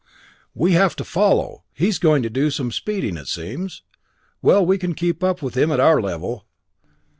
We'll have to follow! He's going to do some speeding, it seems! Well, we can keep up with him, at our level."